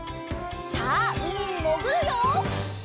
さあうみにもぐるよ！